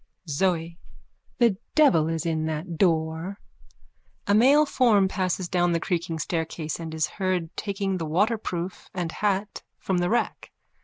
ZOE: The devil is in that door. _(A male form passes down the creaking staircase and is heard taking the waterproof and hat from the rack.